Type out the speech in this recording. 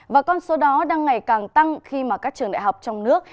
và con số đó đang ngày càng tăng khi mà các trường đại học trong nước